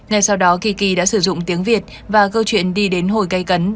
ngay sau đó kiki đã sử dụng tiếng việt và câu chuyện đi đến hồi cây cấn